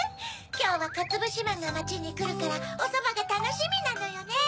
きょうはかつぶしまんがまちにくるからおそばがたのしみなのよね。